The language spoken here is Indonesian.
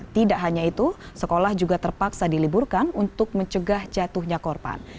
tidak hanya itu sekolah juga terpaksa diliburkan untuk mencegah jatuhnya korban